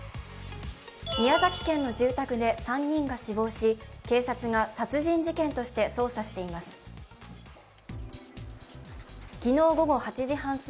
宮崎県の住宅で３人が死亡し、警察が殺人事件として捜査しています。